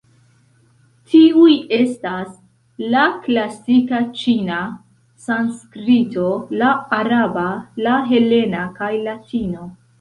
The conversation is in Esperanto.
Tiuj estas: la klasika ĉina, Sanskrito, la araba, la helena, kaj Latino.